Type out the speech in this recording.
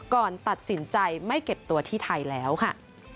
ก่อนตัดสินใจไม่เก็บตัวที่ไทยแล้วค่ะ